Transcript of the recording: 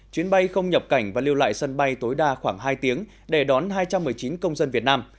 chuyến bay không nhập cảnh và lưu lại sân bay tối đa khoảng hai tiếng để đón hai trăm một mươi chín công dân việt nam